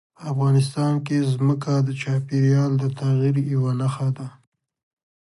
په افغانستان کې ځمکه د چاپېریال د تغیر یوه نښه ده.